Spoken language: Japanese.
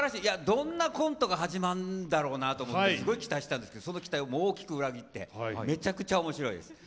どんなコントが始まるんだろうなってすごい期待してたんですけどその期待を大きく裏切ってめちゃくちゃ、おもしろいです。